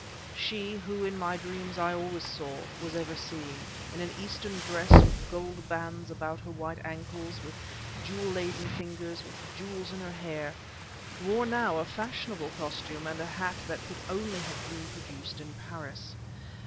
She, who, in my dreams, I always saw, was ever seeing, in an Eastern dress, with gold bands about her white ankles, with jewel laden fingers, with jewels in her hair, wore now a fashionable costume and a hat that could only have been produced in Paris.